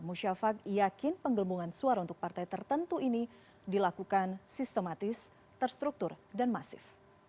musyafak yakin penggelembungan suara untuk partai tertentu ini dilakukan sistematis terstruktur dan masif